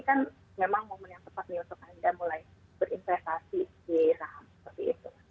kan memang momen yang tepat nih untuk anda mulai berinvestasi di saham seperti itu